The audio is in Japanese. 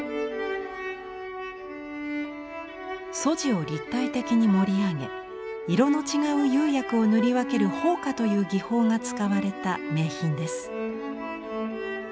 素地を立体的に盛り上げ色の違う釉薬を塗り分ける法花という技法が使われた名品です。